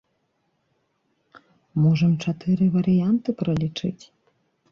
Можам чатыры варыянты пралічыць.